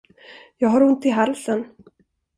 Jag har ont i halsen.